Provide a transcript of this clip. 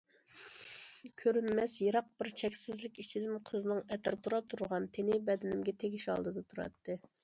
كۆرۈنمەس يىراق بىر چەكسىزلىك ئىچىدىن قىزنىڭ ئەتىر پۇراپ تۇرغان تىنى بەدىنىمگە تېگىش ئالدىدا تۇراتتى.